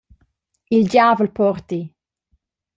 «Il giavel porti!»